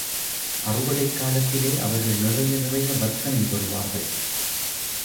அறுவடைக் காலத்திலே அவர்கள் நிறைய நிறைய வர்த்தனை பெறுவார்கள்.